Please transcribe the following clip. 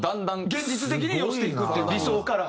現実的に寄せていくっていう理想から。